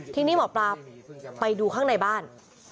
ทีนี้หมอปลาไปดูข้างในบ้าน